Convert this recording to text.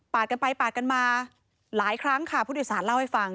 กันไปปาดกันมาหลายครั้งค่ะผู้โดยสารเล่าให้ฟัง